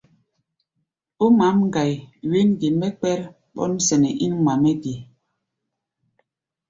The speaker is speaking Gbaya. Ó ŋmǎʼm ŋgai, wɛ̌n ge mɛ́ kpɛ́r ɓɔ́nsɛnɛ́ ín ŋma-mɛ́ ge?